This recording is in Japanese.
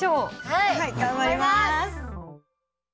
はい頑張ります。